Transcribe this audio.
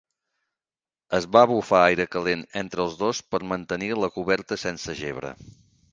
Es va bufar aire calent entre els dos per mantenir la coberta sense gebre.